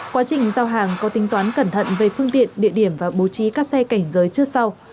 quá trình giao hàng có tính toán cẩn thận về phương tiện địa điểm và bố trí các xe cảnh giới trước sau